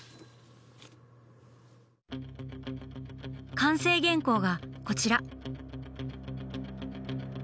完成原稿がこちら。